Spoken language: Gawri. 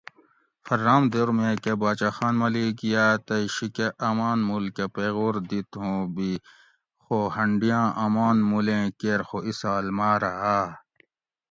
فررام دور میکہ باچا خان ملیک یا تئے شیکہ آمان مول کہ پیغور دیت ہو بی خو ہنڈیاں آمان مولیں کیر خو اِسال ماۤرہ آ